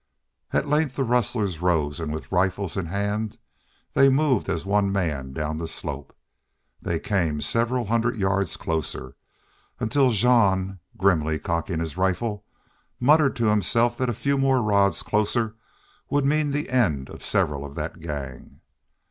At length the rustlers rose and, with rifles in hand, they moved as one man down the slope. They came several hundred yards closer, until Jean, grimly cocking his rifle, muttered to himself that a few more rods closer would mean the end of several of that gang.